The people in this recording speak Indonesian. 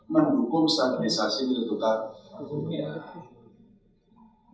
mendukung stabilisasi nilai tukar rupiah